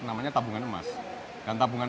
namanya tabungan emas dan tabungan